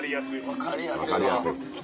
分かりやすい。